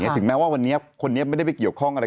ถึงแม้ว่าวันนี้คนนี้ไม่ได้ไปเกี่ยวข้องอะไร